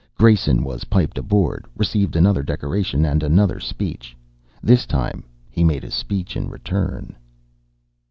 Grayson was piped aboard, received another decoration and another speech. This time he made a speech in return.